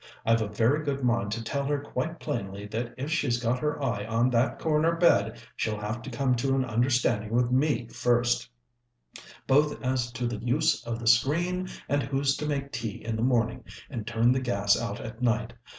I've a very good mind to tell her quite plainly that if she's got her eye on that corner bed she'll have to come to an understanding with me first, both as to the use of the screen and who's to make tea in the morning and turn the gas out at night.